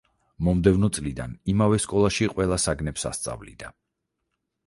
მომდევნო წლიდან იმავე სკოლაში ყველა საგნებს ასწავლიდა.